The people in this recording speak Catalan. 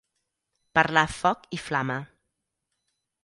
Parlar foc i flama.